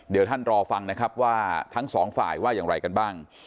เดี๋ยวท่านรอฟังนะครับว่าทั้งสองฝ่ายว่าอย่างไรกันบ้าง